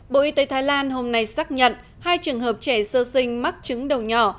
bộ y tế thái lan hôm nay xác nhận hai trường hợp trẻ sơ sinh mắc chứng đầu nhỏ